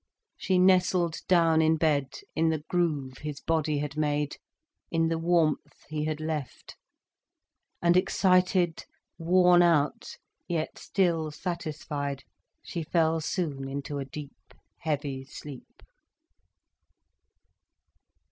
She nestled down in bed, in the groove his body had made, in the warmth he had left. And excited, worn out, yet still satisfied, she fell soon into a deep, heavy sleep.